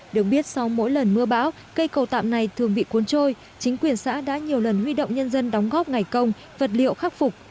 được biết sau mỗi lần mưa bão cây cầu tạm này thường bị cuốn trôi chính quyền xã đã nhiều lần huy động nhân dân đóng góp ngày công vật liệu khắc phục